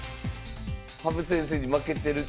羽生先生に負けてる。